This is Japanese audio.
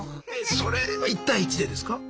それは１対１でですか？